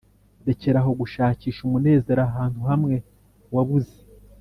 rekeraho gushakisha umunezero ahantu hamwe wabuze.